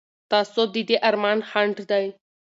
تعصب د دې ارمان خنډ دی